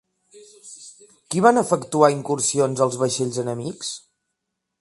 Qui van efectuar incursions als vaixells enemics?